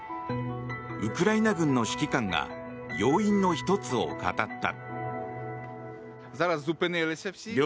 ウクライナ軍の指揮官が要因の１つを語った。